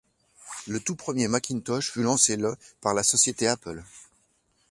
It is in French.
Le tout premier Macintosh fut lancé le par la société Apple.